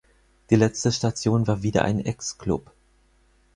Die letzte Station war wieder ein Ex-Klub.